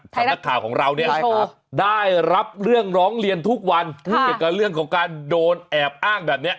นักข่าวของเราเนี่ยได้รับเรื่องร้องเรียนทุกวันเกี่ยวกับเรื่องของการโดนแอบอ้างแบบนี้